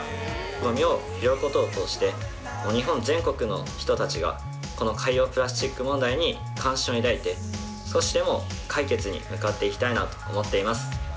ごみを拾うことを通して、日本全国の人たちが、この海洋プラスチック問題に関心を抱いて、少しでも解決に向かっていきたいなと思っています。